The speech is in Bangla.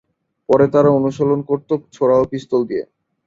পরে তারা অনুশীলন করত ছোরা ও পিস্তল দিয়ে।